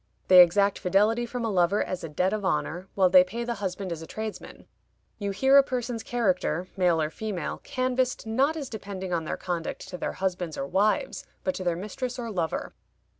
They exact fidelity from a lover as a debt of honor, while they pay the husband as a tradesman. You hear a person's character, male or female, canvassed, not as depending on their conduct to their husbands or wives, but to their mistress or lover.